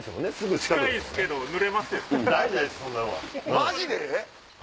マジで？